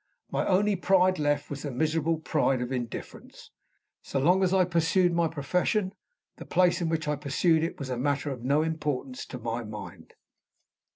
My only pride left was the miserable pride of indifference. So long as I pursued my profession, the place in which I pursued it was a matter of no importance to my mind.